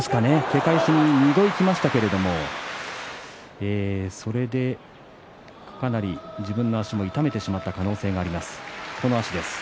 け返し２度いきましたがそれで、かなり自分の足を痛めてしまった可能性があります。